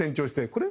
「これ？」